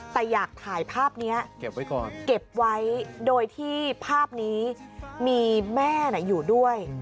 แต่อยากถ่ายภาพนี้เก็บไว้โดยที่ภาพนี้มีแม่อยู่ด้วย